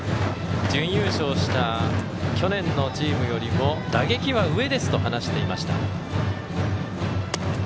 準優勝した去年のチームよりも打撃は上ですと話していました。